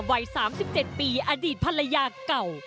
วัย๓๗ปีอดีตภรรยาเก่า